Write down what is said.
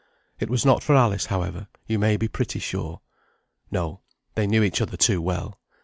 It was not for Alice, however, you may be pretty sure; no, they knew each other too well.